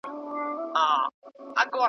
خو د وخت حکومت اجازه ورنه کړه